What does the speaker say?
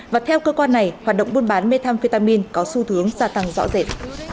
và theo cơ quan này hoạt động buôn bán methamphetamin có xu thướng gia tăng rõ rệt